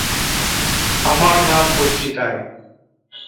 আমার নাম পত্রিকায়।